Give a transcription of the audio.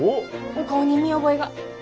お顔に見覚えが。